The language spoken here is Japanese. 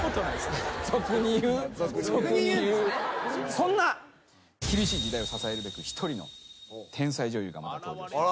そんな厳しい時代を支えるべく一人の天才女優がまた登場します。